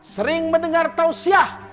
sering mendengar tausiah